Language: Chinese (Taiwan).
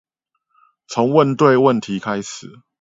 從問對問題開始